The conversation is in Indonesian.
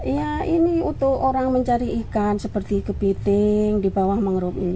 ya ini untuk orang mencari ikan seperti kepiting di bawah mangrove ini